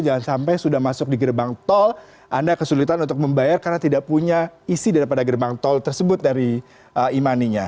jangan sampai sudah masuk di gerbang tol anda kesulitan untuk membayar karena tidak punya isi daripada gerbang tol tersebut dari e money nya